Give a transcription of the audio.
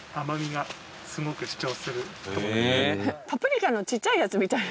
パプリカのちっちゃいやつみたい。